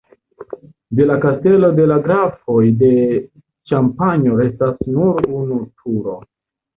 De la kastelo de la Grafoj de Ĉampanjo restas nur unu turo.